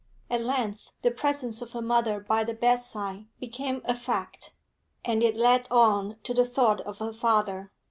At length the presence of her mother by the bedside became a fact, and it led on to the thought of her father.